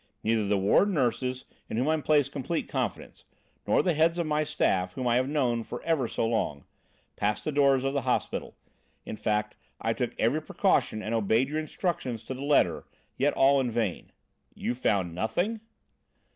Neither the ward nurses, in whom I place complete confidence, nor the heads of my staff, whom I have known for ever so long, passed the doors of the hospital. In fact, I took every precaution and obeyed your instructions to the letter yet all in vain." "You found nothing?"